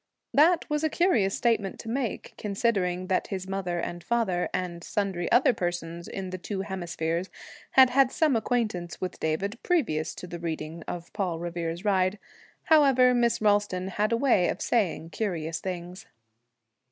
That was a curious statement to make, considering that his mother and father, and sundry other persons in the two hemispheres, had had some acquaintance with David previous to the reading of 'Paul Revere's Ride.' However, Miss Ralston had a way of saying curious things.